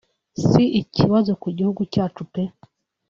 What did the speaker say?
si ikibazo ku gihugu cyacu pe